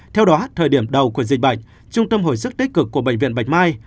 theo đó thời điểm đầu của dịch bệnh trung tâm hồi sức tích cực của bệnh viện bạch mai